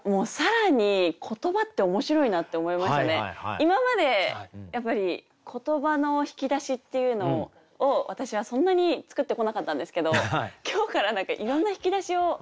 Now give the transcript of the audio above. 今までやっぱり言葉の引き出しっていうのを私はそんなに作ってこなかったんですけど今日からいろんな引き出しを持ちたいなって思いました。